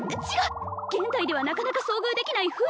違っ現代ではなかなか遭遇できない